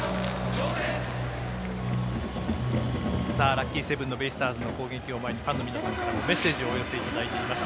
ラッキーセブンのベイスターズの攻撃を前にファンの皆さんからもメッセージをお寄せいただいています。